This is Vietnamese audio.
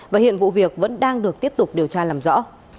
và hiện vụ việc vẫn đang được tiếp tục điều tra làm rõ